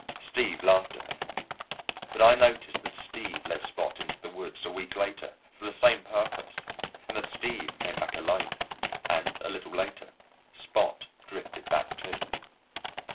Steve laughed at me. But I notice that Steve led Spot into the woods, a week later, for the same purpose, and that Steve came back alone, and a little later Spot drifted back, too.